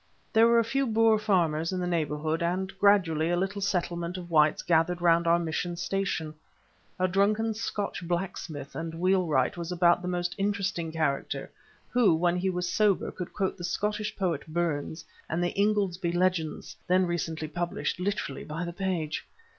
There were a few Boer farmers in the neighbourhood, and gradually a little settlement of whites gathered round our mission station—a drunken Scotch blacksmith and wheelwright was about the most interesting character, who, when he was sober, could quote the Scottish poet Burns and the Ingoldsby Legends, then recently published, literally by the page.